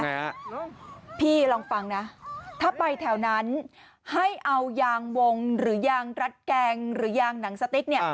พี่ลองฟังนะถ้าไปแถวนั้นให้เอายางวงหรือยางรัดแกงหรือยางหนังสติ๊กเนี่ย